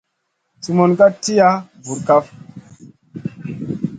Sumun ka tiya bura kaf.